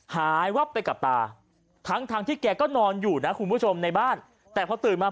หายวับไปกับตาทั้งทั้งที่แกก็นอนอยู่นะคุณผู้ชมในบ้านแต่พอตื่นมา